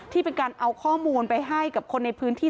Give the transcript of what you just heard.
ที่เป็นการเอาข้อมูลไปให้กับคนในพื้นที่